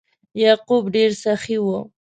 یعقوب ډیر سخي و.